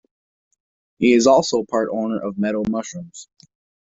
He is also part owner of Meadow Mushrooms.